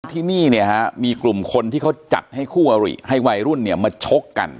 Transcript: ที่นี่เนี่ยฮะมีกลุ่มคนที่เขาจัดให้คู่อริให้วัยรุ่นเนี่ยมาชกกัน